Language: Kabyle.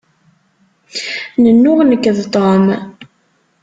Nennuɣ nekk d Tom.